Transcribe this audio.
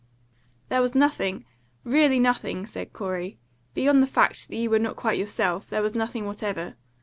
"There was nothing really nothing," said Corey. "Beyond the fact that you were not quite yourself, there was nothing whatever.